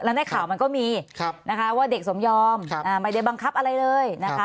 ในข่าวมันก็มีนะคะว่าเด็กสมยอมไม่ได้บังคับอะไรเลยนะคะ